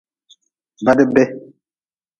Badbe.